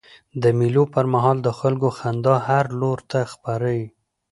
د مېلو پر مهال د خلکو خندا هر لور ته خپره يي.